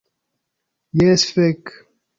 Jes, fek.